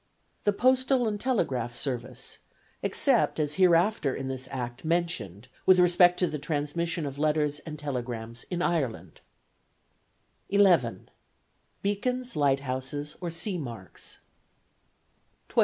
The postal and telegraph service, except as hereafter in this Act mentioned with respect to the transmission of letters and telegrams in Ireland; "(11.) Beacons, lighthouses, or sea marks; "(12.)